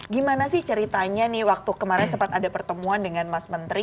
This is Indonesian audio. gimana sih ceritanya nih waktu kemarin sempat ada pertemuan dengan mas menteri